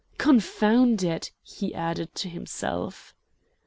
"Confound it!" he added, to himself.